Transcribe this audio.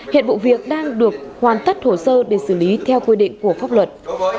hiện vụ việc đang được hoàn tất hồ sơ để xử lý theo quy định của pháp luật